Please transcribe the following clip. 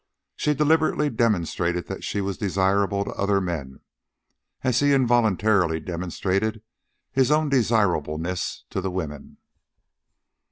She deliberately demonstrated that she was desirable to other men, as he involuntarily demonstrated his own desirableness to the women.